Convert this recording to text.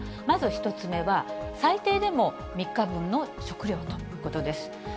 まず１つ目は、最低でも３日分の食料ということです。